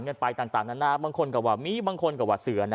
กันไปต่างนั้นน้าบางคนกับวะฟิมีบางคนกับวะสือนะ